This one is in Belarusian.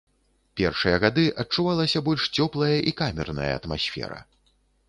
Першыя гады адчувалася больш цёплая і камерная атмасфера.